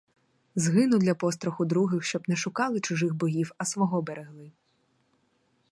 Згину для постраху других, щоб не шукали чужих богів, а свого берегли.